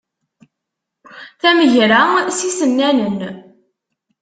Tamegra s isennanen.